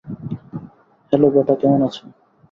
Hello বেটা, কেমন আছো?